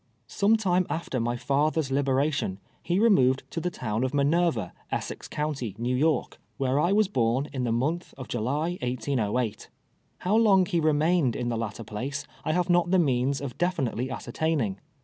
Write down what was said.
Sometime after my father's liberation, he removed to the town of Minerva, Essex county, X. Y., %vhere I PAKENTAGE. 19 was born, in the montli of Jnh', 1S08. IIow long lie remained in tlie latter place I have not the means of detinitelj ascertaining.